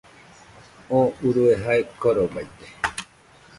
Tú urue jae korobaite